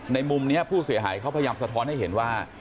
มุมนี้ผู้เสียหายเขาพยายามสะท้อนให้เห็นว่า